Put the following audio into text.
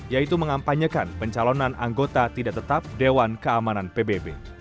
yaitu mengampanyekan pencalonan anggota tidak tetap dewan keamanan pbb